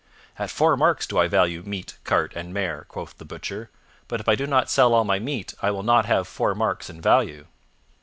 "At four marks do I value meat, cart, and mare," quoth the Butcher, "but if I do not sell all my meat I will not have four marks in value."